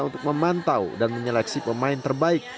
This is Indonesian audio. untuk memantau dan menyeleksi pemain terbaik